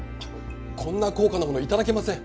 こんな高価なもの頂けません！